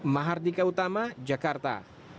mahardika utama jakarta